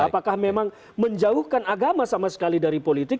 apakah memang menjauhkan agama sama sekali dari politik